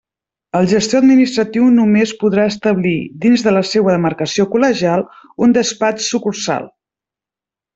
El gestor administratiu només podrà establir, dins de la seua demarcació col·legial, un despatx-sucursal.